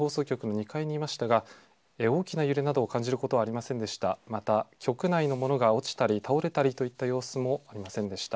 ２階にいましたが、大きな揺れなどを感じることはありませんでした。